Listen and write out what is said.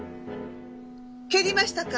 蹴りましたか？